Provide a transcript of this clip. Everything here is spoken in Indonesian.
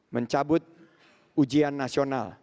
mencabut ujian nasional